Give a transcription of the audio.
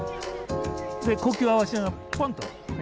で呼吸を合わせながらポンと。